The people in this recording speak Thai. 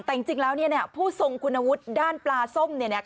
แต่จริงแล้วเนี่ยผู้ทรงคุณนวุฒิด้านปลาส้มเนี่ย